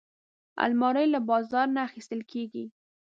الماري له بازار نه اخیستل کېږي